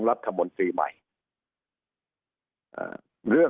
สุดท้ายก็ต้านไม่อยู่